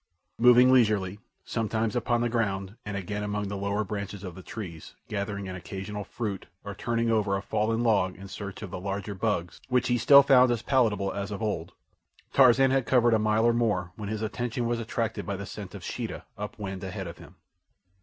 Moving leisurely, sometimes upon the ground and again among the lower branches of the trees, gathering an occasional fruit or turning over a fallen log in search of the larger bugs, which he still found as palatable as of old, Tarzan had covered a mile or more when his attention was attracted by the scent of Sheeta up wind ahead of him.